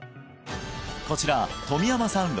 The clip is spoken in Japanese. こちら冨山さん